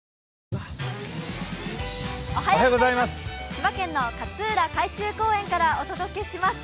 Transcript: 千葉県の勝浦海中公園からお届けします。